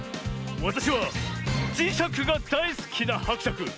わたしはじしゃくがだいすきなはくしゃく。